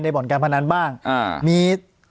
ปากกับภาคภูมิ